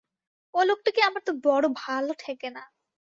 ও লোকটিকে আমার তো বড়ো ভালো ঠেকে না।